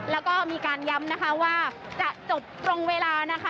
แล้วก็มีการย้ำนะคะว่าจะจบตรงเวลานะคะ